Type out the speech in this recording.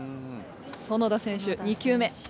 苑田選手２球目。